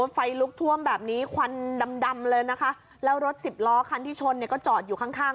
ไฟลุกท่วมแบบนี้ควันดำดำเลยนะคะแล้วรถสิบล้อคันที่ชนเนี่ยก็จอดอยู่ข้างข้าง